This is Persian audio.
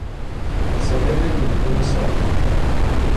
سپهر نیلگون و صاف